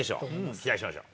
期待しましょう。